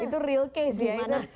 itu real case ya